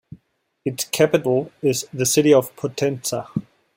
Its capital is the city of Potenza.